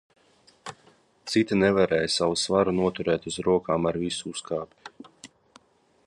Citi nevarēja savu svaru noturēt uz rokām ar visu uzkabi.